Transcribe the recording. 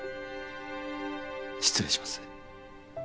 失礼します。